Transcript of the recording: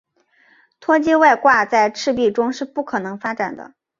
脱机外挂在赤壁中是不可能发展的。